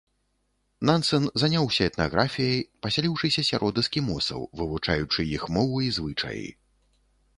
Нансен заняўся этнаграфіяй, пасяліўшыся сярод эскімосаў, вывучаючы іх мову і звычаі.